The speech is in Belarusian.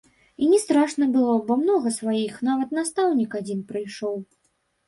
І не страшна было, бо многа сваіх, нават настаўнік адзін прыйшоў.